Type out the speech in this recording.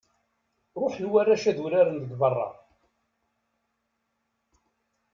Ruḥen warrac ad uraren deg berra.